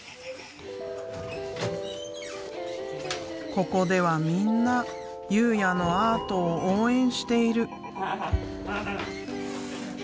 ここではみんな佑哉のアートを応援している。